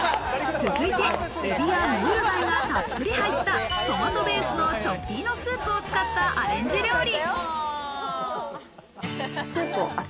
続いて、エビやムール貝がたっぷり入ったトマトベースのチョッピーノスープを使ったアレンジ料理。